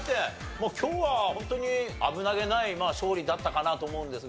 もう今日はホントに危なげない勝利だったかなと思うんですが。